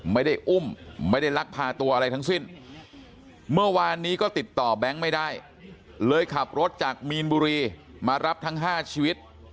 ไม่ได้อุ้มไม่ได้ลักพาตัวอะไรทั้งสิ้นเมื่อวานนี้ก็ติดต่อแบงค์ไม่ได้เลยขับรถจากมีนบุรีมารับทั้ง๕ชีวิต